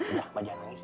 udah mak jangan nangis